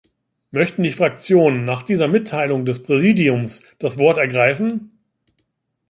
Möchten die Fraktionen nach dieser Mitteilung des Präsidiums das Wort ergreifen?